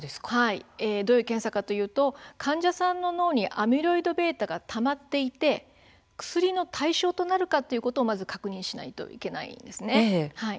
どういう検査かというと患者さんの脳の中にアミロイドβがたまっていて薬の対象となるかということを確認しないといけないんです。